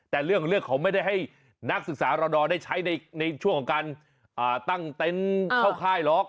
แต่เรื่องของไม่ได้ให้นักศึกษาระดอได้ใช้ในช่วงของการตั้งเต็นต์เข้าค่ายหรอก